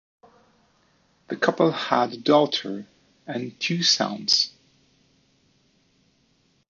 The couple had a daughter and two sons.